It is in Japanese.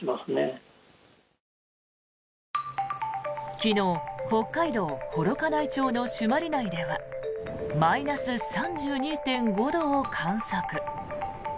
昨日、北海道幌加内町の朱鞠内ではマイナス３２．５度を観測。